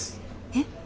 えっ？